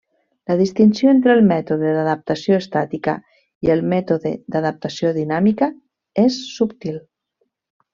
La distinció entre el mètode d'adaptació estàtica i el mètode d'adaptació dinàmica és subtil.